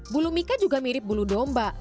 bulu mika juga mirip bulu domba